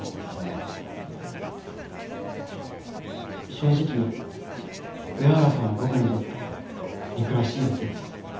正直上原さんは僕にとって憎らしい相手です。